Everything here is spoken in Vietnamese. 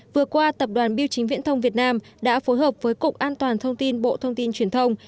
vừa qua tập đoàn biêu chính viễn thông việt nam đã phối hợp với cục an toàn thông tin bộ thông tin truyền thông